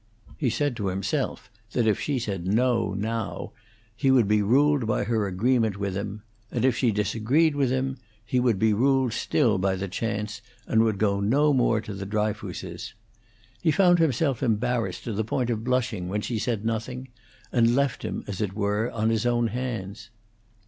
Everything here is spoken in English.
He said to himself that if she said "No," now, he would be ruled by her agreement with him; and if she disagreed with him, he would be ruled still by the chance, and would go no more to the Dryfooses'. He found himself embarrassed to the point of blushing when she said nothing, and left him, as it were, on his own hands.